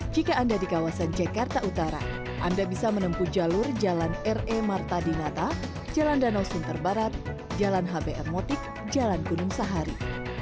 jika anda di kawasan jakarta utara anda bisa menempuh jalur jalan r e martadinata jalan danau sinterbarat jalan hbr motik jalan gunung sahari